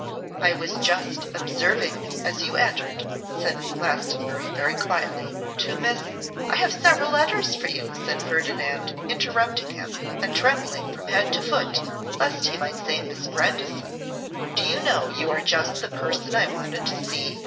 'I was just observing as you entered,' said Glastonbury, very quietly, 'to Miss ' 'I have several letters for you,' said Ferdinand, interrupting him, and trembling from head to foot lest he might say Miss Grandison. 'Do you know you are just the person I wanted to see?